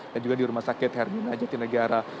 dan juga di rumah sakit hermina jatinegara